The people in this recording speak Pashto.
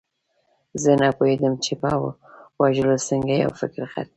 زه نه پوهېدم چې په وژلو څنګه یو فکر ختمیږي